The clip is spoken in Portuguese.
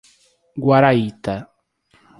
Guaraíta